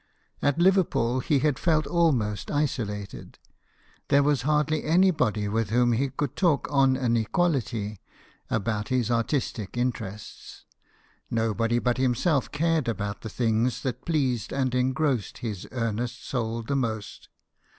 At Liverpool, he had felt almost isolated ; there was hardly anybody with whom he could talk on an equality about his artistic interests ; nobody but himself cared about the things that pleased and engrossed his earnest soul the most.